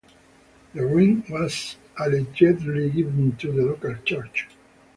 The ring was allegedly given to the local church.